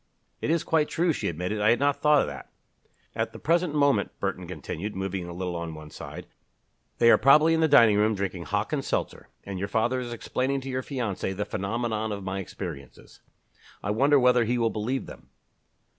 "It is quite true," she admitted. "I had not thought of that." "At the present moment," Burton continued, moving a little on one side, "they are probably in the dining room drinking Hock and seltzer, and your father is explaining to your fiancé the phenomenon of my experiences. I wonder whether he will believe them?"